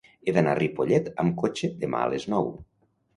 He d'anar a Ripollet amb cotxe demà a les nou.